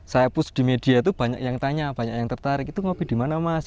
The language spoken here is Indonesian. saya push di media itu banyak yang tanya banyak yang tertarik itu ngopi di mana mas